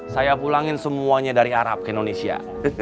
saya pulangin semuanya dari arab ke indonesia